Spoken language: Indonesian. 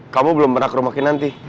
kamu belum pernah ke rumah kinanti